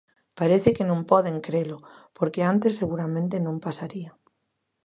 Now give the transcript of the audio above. Parece que non poden crelo, porque antes seguramente non pasaría.